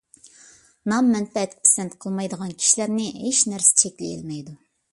نام ـ مەنپەئەتكە پىسەنت قىلمايدىغان كىشىلەرنى ھېچ نەرسە چەكلىيەلمەيدۇ،